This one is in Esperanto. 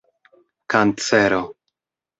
kancero